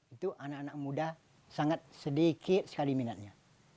itu anak anak muda sangat sedikit sekali minatnya